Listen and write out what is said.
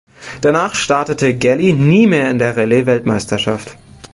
Danach startete Galli nie mehr in der Rallye-Weltmeisterschaft.